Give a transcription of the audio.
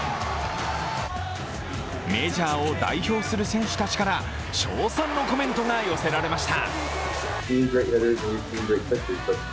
メジャーを代表する選手たちから称賛のコメントが寄せられました。